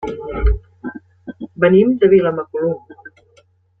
Venim de Vilamacolum.